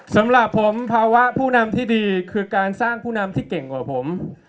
สำหรับผมภาวะผู้นำที่ดีคือการสร้างผู้นำที่เก่งกว่าผม